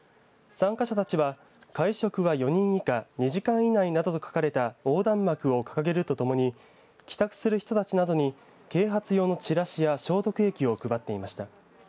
参加者たちは、会食は４人以下２時間以内などと書かれた横断幕を掲げるとともに帰宅する人たちなどに啓発用のチラシや消毒液を配っていました。